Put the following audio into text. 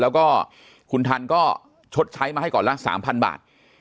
แล้วก็คุณทันชดใช้ก่อนแหละ๓๐๐๐บาท